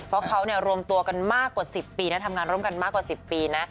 เพราะเขารวมตัวกันมากกว่า๑๐ปีนะทำงานร่วมกันมากกว่า๑๐ปีนะ